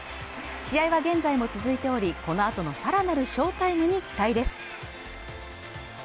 試合は現在も続いておりこのあとのさらなる翔タイムに期待です